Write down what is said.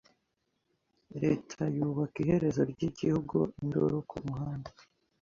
Leta yubaka Iherezo ryigihugu Induru kumuhanda